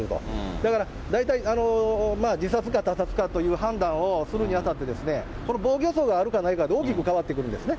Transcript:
だから大体自殺か他殺かという判断をするにあたって、この防御創があるかないかで大きく変わってくるんですね。